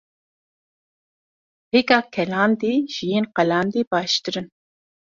Hêka kelandî ji yên qelandî baştir in.